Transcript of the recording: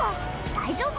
大丈夫。